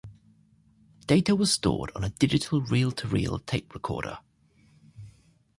Data was stored on a digital reel-to-reel tape recorder.